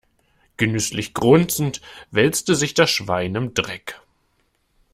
Genüsslich grunzend wälzte sich das Schwein im Dreck.